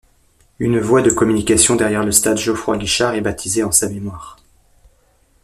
Une voie de communication derrière le stade Geoffroy-Guichard est baptisée en sa mémoire.